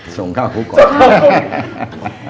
ส่งเข้าคุกก่อน